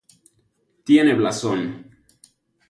Tiene blasón.